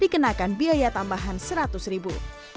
dikenakan biaya tambahan seratus ribu